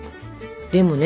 でもね